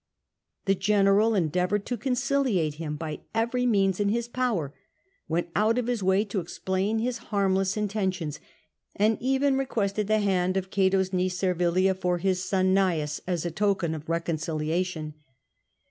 The general endeavoured to conciliate him by every means in his power, went out of his way to explain his harmless intentions, and even requested the hand of Cato's niece, Servilia, for his son Gnaeus, as a token of reconciliation.